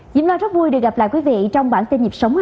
dĩm lo rất vui được gặp lại quý vị trong bản tin nhịp sống hai